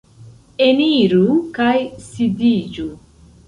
Eniru kaj sidiĝu!